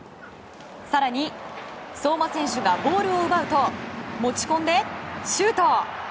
更に、相馬選手がボールを奪うと持ち込んで、シュート！